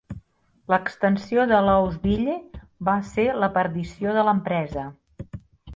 L'extensió de Louisville va ser la perdició de l'empresa.